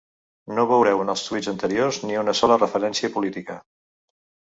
No veureu en els tuits anteriors ni una sola referencia política.